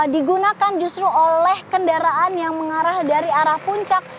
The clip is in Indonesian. digunakan justru oleh kendaraan yang mengarah dari arah puncak